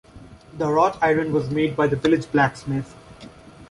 The wrought iron was made by the village blacksmith.